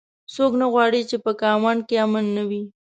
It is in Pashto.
څوک نه غواړي چې په ګاونډ کې امن نه وي